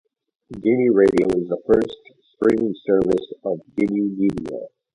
Gimme Radio is the first streaming service of Gimme Media.